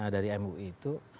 dari mui itu